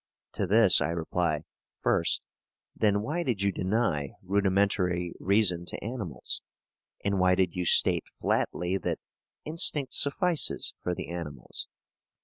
To this I reply, first, then why did you deny rudimentary reason to animals? and why did you state flatly that "instinct suffices for the animals"?